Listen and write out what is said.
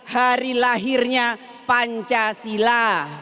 hari lahirnya pancasila